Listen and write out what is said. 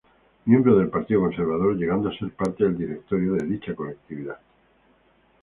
Miembro del Partido Conservador, llegando a ser parte del directorio de dicha colectividad.